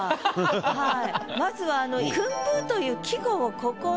はい。